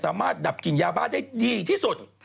ดับกลิ่นยาบ้าได้ดีที่สุด